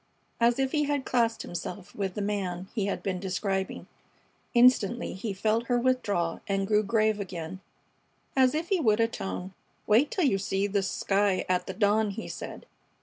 as if he had classed himself with the "man" he had been describing. Instantly he felt her withdrawal and grew grave again, as if he would atone. "Wait till you see this sky at the dawn," he said.